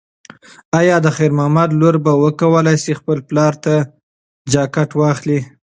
ایا د خیر محمد لور به وکولی شي خپل پلار ته جاکټ واخلي؟